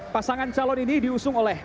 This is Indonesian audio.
pasangan calon ini diusung oleh